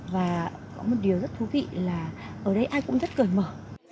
và có một điều rất thú vị là ở đây ai cũng rất cởi mở